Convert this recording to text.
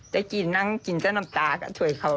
แต่กินนั้นกินจะน้ำตากระถวยเขา